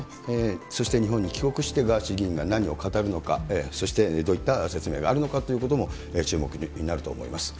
そして日本に帰国してガーシー議員が何を語るのか、そしてどういった説明があるのかっていうことも、注目になると思います。